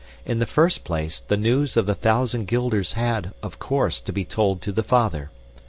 In the first place the news of the thousand guilders had, of course, to be told to the father.